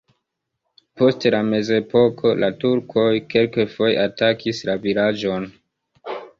Post la mezepoko la turkoj kelkfoje atakis la vilaĝon.